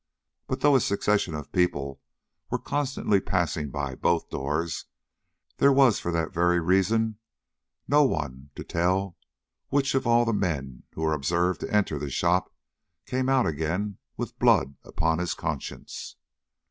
But though a succession of people were constantly passing by both doors, there was for that very reason no one to tell which of all the men who were observed to enter the shop, came out again with blood upon his conscience.